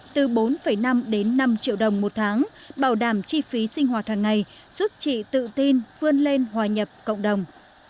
từ bốn năm đến năm triệu đồng một tháng bảo đảm chi phí sinh hoạt hàng ngày giúp chị tự tin vươn lên hòa nhập cộng đồng